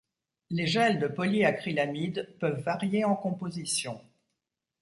Les gels de polyacrylamide peuvent varier en composition.